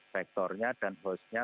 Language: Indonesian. faktornya dan hostnya